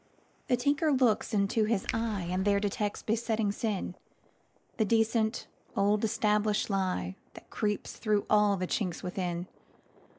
The tinker looks into his eye, And there detects besetting sin, The decent oldestablish'd lie, That creeps through all the chinks within.